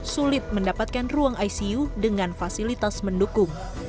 sulit mendapatkan ruang icu dengan fasilitas mendukung